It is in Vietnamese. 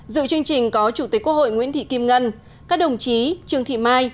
dự chương trình có chủ tịch quốc hội nguyễn thị kim ngân các đồng chí trương thị mai